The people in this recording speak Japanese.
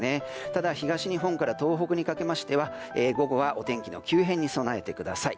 ただ東日本から東北にかけまして午後はお天気の急変に備えてください。